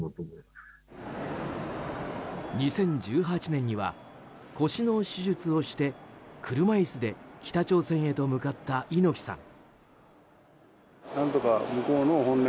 ２０１８年には腰の手術をして車椅子で北朝鮮へと向かった猪木さん。